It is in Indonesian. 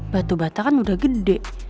batu bata kan udah gede